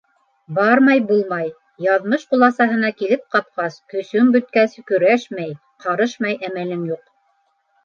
Бармай булмай: яҙмыш ҡуласаһына килеп ҡапҡас, көсөң бөткәнсе көрәшмәй, ҡарышмай әмәлең юҡ.